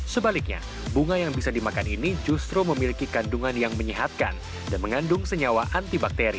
sebaliknya bunga yang bisa dimakan ini justru memiliki kandungan yang menyehatkan dan mengandung senyawa antibakteri